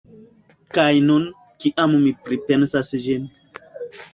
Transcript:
Kaj nun, kiam mi pripensas ĝin.